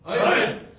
はい！